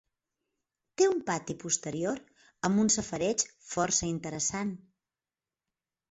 Té un pati posterior amb un safareig força interessant.